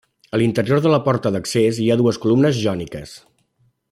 A l'interior de la porta d'accés hi ha dues columnes jòniques.